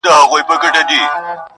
یو څه نڅا یو څه خندا ته ورکړو٫